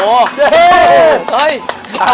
โอ้โห